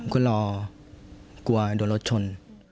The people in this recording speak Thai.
ก็รอกลัวโดนรถชน